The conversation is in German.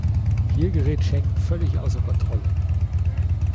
Hier gerät Schengen völlig außer Kontrolle.